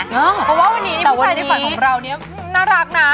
เพราะว่าวันนี้ผู้ชายในฝันของเราเนี่ยน่ารักนะ